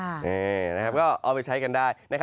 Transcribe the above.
นี่นะครับก็เอาไปใช้กันได้